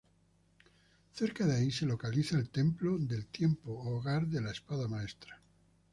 Cerca de ahí, se localiza el Templo del Tiempo: hogar de la Espada Maestra.